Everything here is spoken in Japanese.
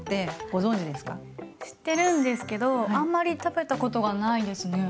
知ってるんですけどあんまり食べたことがないですね。